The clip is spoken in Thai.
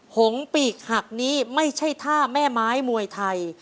หงปีกหักนี้ไม่ใช่ท่าแม่ไม้มวยไทย